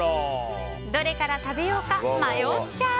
どれから食べようか迷っちゃう！